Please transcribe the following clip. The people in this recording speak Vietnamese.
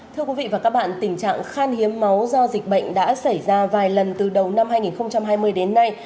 thưa quý vị và các bạn tình trạng khan hiếm máu do dịch bệnh đã xảy ra vài lần từ đầu năm hai nghìn hai mươi đến nay